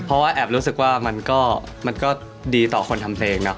เพราะว่าแอบรู้สึกว่ามันก็ดีต่อคนทำเพลงเนาะ